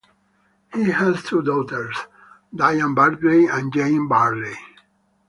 He has two daughters, Diane Bartley and Jane Bartley.